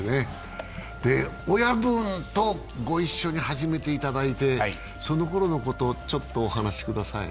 親分とご一緒に始めていただいて、そのころのことお話しください。